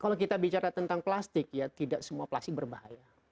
kalau kita bicara tentang plastik ya tidak semua plastik berbahaya